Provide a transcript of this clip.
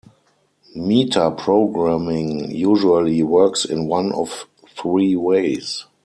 Metaprogramming usually works in one of three ways.